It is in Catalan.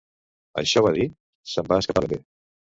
Això va dir?, se'm va escapar ben bé.